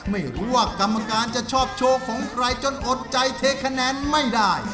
ไม่รู้ว่ากรรมการจะชอบโชว์ของใครจนอดใจเทคะแนนไม่ได้